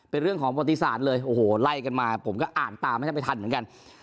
เป็นเรื่องของปฏิศาสตร์เลยโอ้โหไล่กันมาผมก็อ่านตามแทบไม่ทันเหมือนกัน